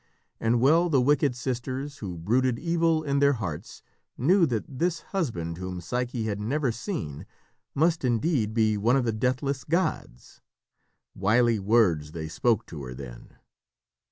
And well the wicked sisters, who brooded evil in their hearts, knew that this husband whom Psyche had never seen must indeed be one of the deathless gods. Wily words they spoke to her then.